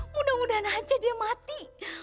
mudah mudahan aja dia mati